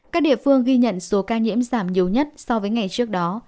các địa phương ghi nhận số ca nhiễm giảm nhiều nhất so với ngày trước đó